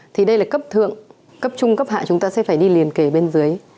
thì đây là cấp thượng cấp trung cấp hạ chúng ta sẽ phải đi liền kể bên dưới